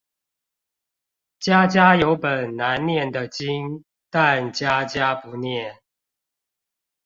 家家有本難念的經，但家家不念